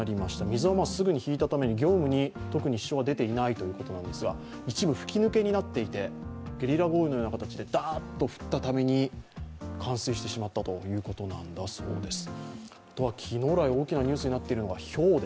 水はすぐに引いたために業務に特に支障は出ていないということですが一部、吹き抜けになっていてゲリラ豪雨のようにダーッと降ったために冠水してしまったということなんだそうです。